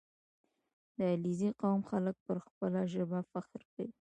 • د علیزي قوم خلک پر خپله ژبه فخر کوي.